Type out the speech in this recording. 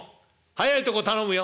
早いとこ頼むよ」